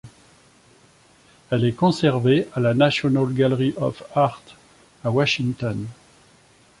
Elle est conservée à la National Gallery of Art, à Washington.